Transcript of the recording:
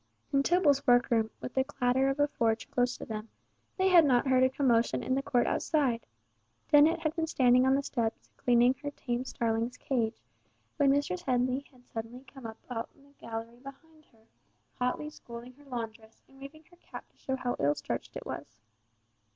In Tibble's workroom, with the clatter of a forge close to them, they had not heard a commotion in the court outside. Dennet had been standing on the steps cleaning her tame starling's cage, when Mistress Headley had suddenly come out on the gallery behind her, hotly scolding her laundress, and waving her cap to show how ill starched it was.